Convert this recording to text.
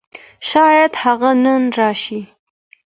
شايد هغه نن راشي.